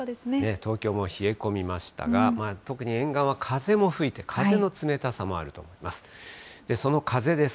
東京も冷え込みましたが、特に沿岸は風も吹いて、風の冷たさもあると思います。